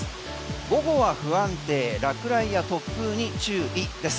午後は不安定落雷や突風に注意です。